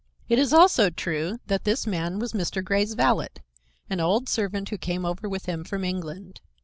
It is also true that this man was Mr. Grey's valet, an old servant who came over with him from England.